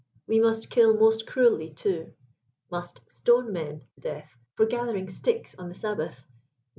We must kill most cruelly, too ; must stone men to death for gathering sticks on the Sabbath, (Num.